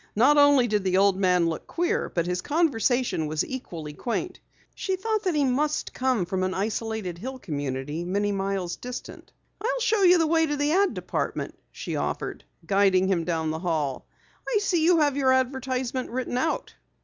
Not only did the old man look queer but his conversation was equally quaint. She thought that he must come from an isolated hill community many miles distant. "I'll show you the way to the ad department," she offered, guiding him down the hall. "I see you have your advertisement written out."